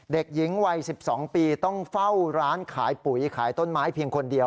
เด็กหญิงวัย๑๒ปีต้องเฝ้าร้านขายปุ๋ยขายต้นไม้เพียงคนเดียว